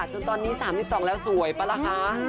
จนตอนนี้๓๒แล้วสวยป่ะล่ะคะ